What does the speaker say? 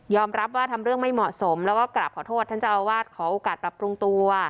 รับว่าทำเรื่องไม่เหมาะสมแล้วก็กราบขอโทษท่านเจ้าอาวาสขอโอกาสปรับปรุงตัว